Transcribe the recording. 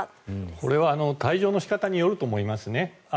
これは退場の仕方によると思います。